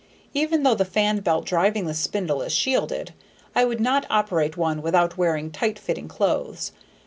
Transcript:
Even though the fan belt driving the spindle is shielded, I would not operate one without wearing tight fitting clothes.